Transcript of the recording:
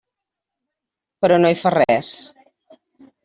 Però no hi fa res.